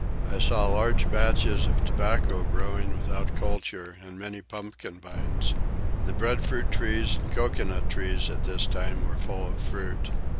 I saw large patches of tobacco growing without culture and many pumpkin vines. The breadfruit trees and coconut trees at this time were full of fruit.